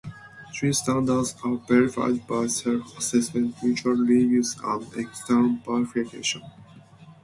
These standards are verified by self-assessment, mutual reviews and external verification.